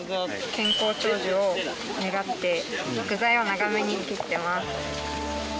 健康長寿を願って、具材を長めに切ってます。